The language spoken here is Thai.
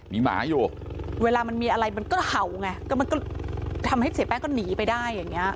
มีหมาอยู่เวลามันมีอะไรมันก็เห่าไงก็มันก็ทำให้เสียแป้งก็หนีไปได้อย่างเงี้